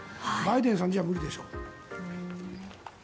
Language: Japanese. バイデンさんじゃ無理でしょう。